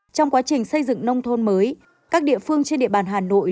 trong quá trình xây dựng nông thôn mới các địa phương trên địa bàn hà nội